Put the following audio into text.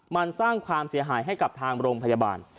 มันสร้างความเสียหายให้กับทางโรงพยาบาล